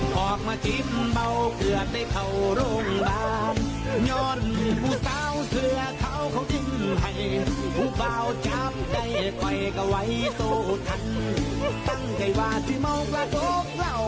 ผู้เบาจ้ามใจค่อยก็ไว้โทษทันตั้งใกล้วาดที่เมากระโก๊กเหล่า